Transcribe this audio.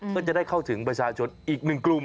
ก็จะได้เข้าถึงประชาชนอีกหนึ่งกลุ่ม